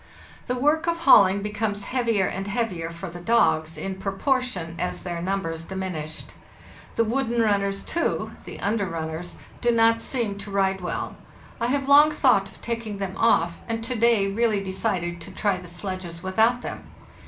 The work of hauling becomes heavier and heavier for the dogs, in proportion as their numbers diminished. The wooden runners, too (the under runners), do not seem to ride well. I have long thought of taking them off, and to day really decided to try the sledges without them.